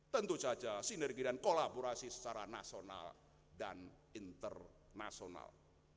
tentu saja sinergi dan kolaborasi secara nasional dan internasional